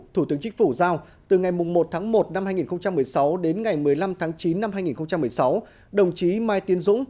thủ tướng chính phủ giao từ ngày một một hai nghìn một mươi sáu đến ngày một mươi năm chín hai nghìn một mươi sáu đồng chí mai tiến dũng